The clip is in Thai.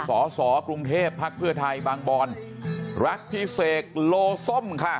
สสกรุงเทพภักดิ์เพื่อไทยบางบอนรักพี่เสกโลส้มค่ะ